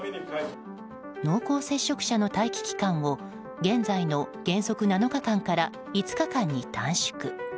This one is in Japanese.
濃厚接触者の待機期間を現在の原則７日間から５日間に短縮。